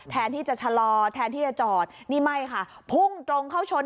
แทนที่จะชะลอแทนที่จะจอดนี่ไม่ค่ะพุ่งตรงเข้าชน